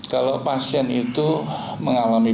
kalau pasien itu mengalami